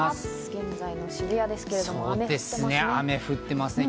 現在の渋谷ですけれども、雨が降ってますね。